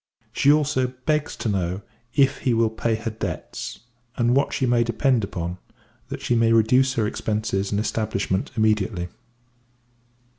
She also begs to know, if he will pay her debts, and what she may depend upon; that she may reduce her expences and establishment immediately.